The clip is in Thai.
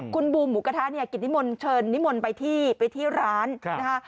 คุณบูมหมูกระทะเนี่ยกิจนิมนต์เชิญนิมนต์ไปที่ไปที่ร้านนะคะ